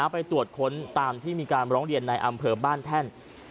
ไปตรวจค้นตามที่มีการร้องเรียนในอำเภอบ้านแท่น